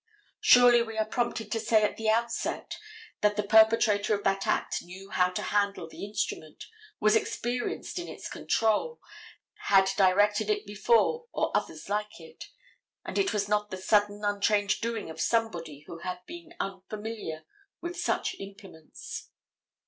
Surely we are prompted to say at the outset that the perpetrator of that act knew how to handle the instrument, was experienced in its control, had directed it before or others like it, and it was not the sudden, untrained doing of somebody who had been unfamiliar with such implements.